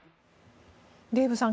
デーブさん